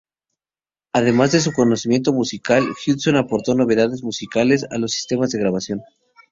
Además de su conocimiento musical, Hudson aportó novedades musicales a los sistemas de grabación.